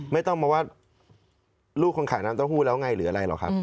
ไม่ต้องมาว่าลูกคนขายน้ำเต้าหู้แล้วไงหรืออะไรหรอกครับ